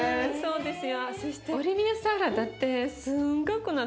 そうですね。